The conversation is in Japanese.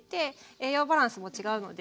栄養バランスも違うので。